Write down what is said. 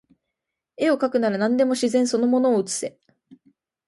画をかくなら何でも自然その物を写せ